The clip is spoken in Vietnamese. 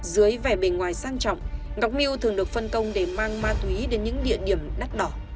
dưới vẻ bề ngoài sang trọng ngọc miêu thường được phân công để mang ma túy đến những địa điểm đắt đỏ